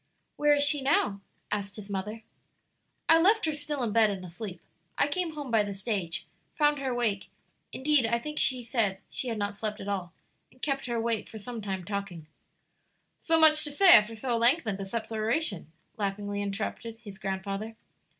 "Where is she now?" asked his mother. "I left her still in bed and asleep. I came home by the stage, found her awake indeed, I think she said she had not slept at all and kept her awake for some time talking " "So much to say after so lengthened a separation?" laughingly interrupted his grandfather.